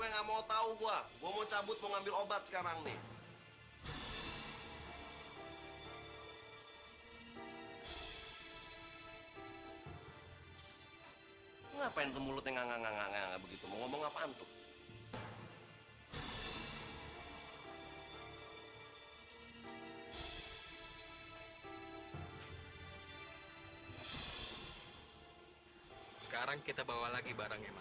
sampai jumpa di video selanjutnya